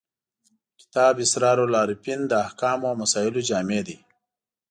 کتاب اسرار العارفین د احکامو او مسایلو جامع دی.